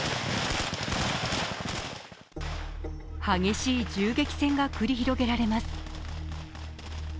激しい銃撃戦が繰り広げられます。